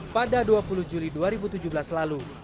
pada dua puluh juli dua ribu tujuh belas lalu